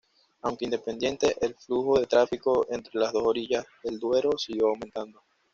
Aunque independiente, el flujo de tráfico entre las dos orillas del Duero siguió aumentando.